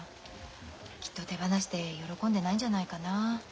きっと手放しで喜んでないんじゃないかな。